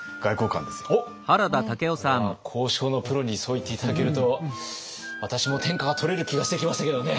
これは交渉のプロにそう言って頂けると私も天下が取れる気がしてきましたけどね。